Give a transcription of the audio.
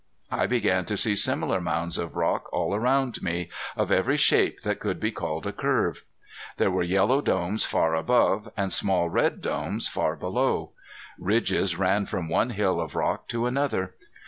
I began to see similar mounds of rock all around me, of every shape that could be called a curve. There were yellow domes far above and small red domes far below. Ridges ran from one hill of rock to another.